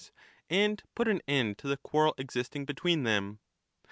9 and put an end to the quarrel existing between them.